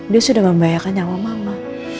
dia sudah membahayakan nyawa mama